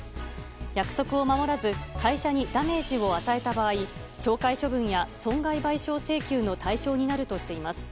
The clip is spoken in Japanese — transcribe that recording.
約束を守らず会社にダメージを与えた場合懲戒処分や損害賠償請求の対象になるとしています。